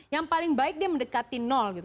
yang paling baik dia mendekati nol gitu